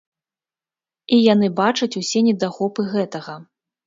І яны бачаць усе недахопы гэтага.